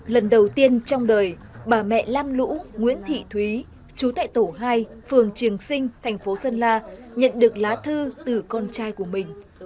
lần đầu tiên trong đời bà mẹ lam lũ nguyễn thị thúy chú tại tổ hai phường triềng sinh thành phố sơn la nhận được lá thư từ con trai của mình